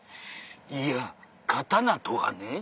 いや刀とはね。